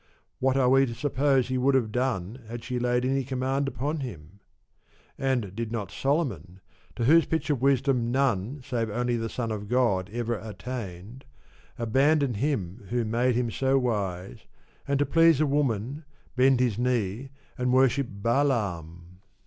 What are we to suppose he would have done had she laid any command upon him I And did not Solomon, to whose pitch of wisdom none save only the Son of God ever attained, abandon him who had made him so wise, and, to please a woman, bend his knee and worship Balaam